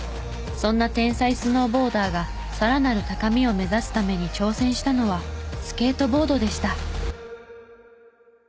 そんな天才スノーボーダーがさらなる高みを目指すために挑戦したのはスケートボードでした。